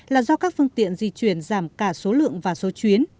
là do các phương tiện di chuyển giảm cả số lượng và số chuyến